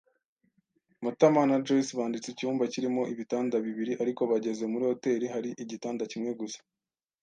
Matama na Joyci banditse icyumba kirimo ibitanda bibiri, ariko bageze muri hoteri, hari igitanda kimwe gusa.